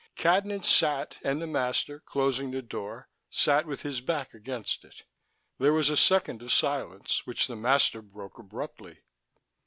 Cadnan sat and the master, closing the door, sat with his back against it. There was a second of silence, which the master broke abruptly.